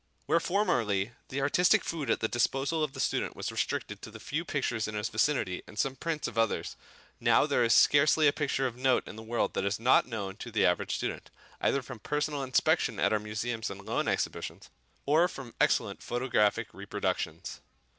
Where formerly the artistic food at the disposal of the student was restricted to the few pictures in his vicinity and some prints of others, now there is scarcely a picture of note in the world that is not known to the average student, either from personal inspection at our museums and loan exhibitions, or from excellent photographic reproductions.